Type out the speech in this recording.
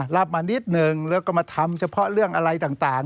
รับมานิดนึงแล้วก็มาทำเฉพาะเรื่องอะไรต่าง